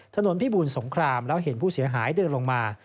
ถนนพิบูรสงครามแล้วเห็นผู้เสียหายเดินลงมา